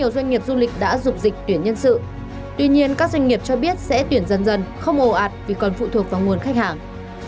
tuy nhiên các doanh nghiệp cho biết sẽ tuyển dần dần không ồ ạt vì còn phụ thuộc vào nguồn khách hàng